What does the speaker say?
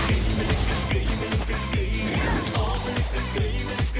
ปีบีก็น่าหลี่แอ